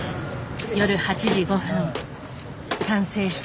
夜８時５分完成した。